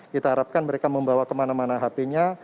kita harapkan mereka membawa kemana mana hpnya